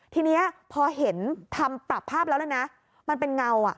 ทีนี้พอเห็นทำปรับภาพแล้วนะมันเป็นเงาอ่ะ